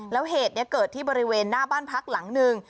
แล้วเหตุนี้เกิดที่บริเวณหน้าบ้านพักหลังหนึ่ง